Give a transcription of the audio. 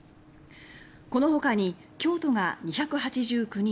このほかに京都が２８９人